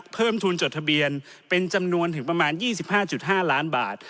เพิ่มทุนจดทะเบียนเป็นจำนวนถึงประมาณ๒๕๕ล้านบาท